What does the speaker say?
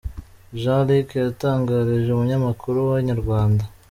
Jean Luc yatangarije umunyamakuru wa Inyarwanda.